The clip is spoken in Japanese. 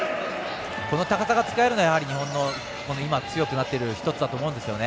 高さが使えるのは今の強くなっている１つだと思うんですね。